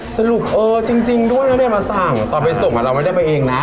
สรุปเออจริงจริงด้วยแล้วได้มาสั่งต่อไปส่งอ่ะเราไม่ได้ไปเองนะ